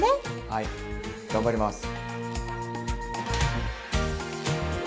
はい頑張ります！